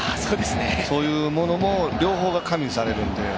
そういうものも両方が加味されるんで。